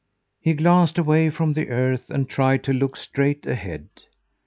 He glanced away from the earth and tried to look straight ahead.